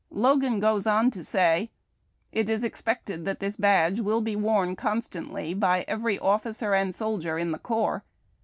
Logan goes on to say :—" It is expected that this badge will be worn constantly by every officer and soldier in the corps.